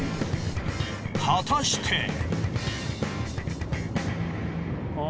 果たして！？